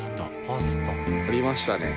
ありましたね。